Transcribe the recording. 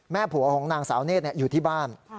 ผัวของนางสาวเนธอยู่ที่บ้าน